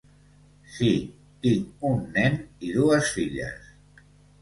Sí, tinc un nen i dues filles.